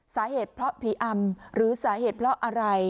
สาเหตุเพราะผีอำหรือสาเหตุเพราะอะไร